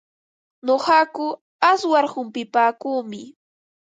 Nuqaku awsar humpipaakuumi.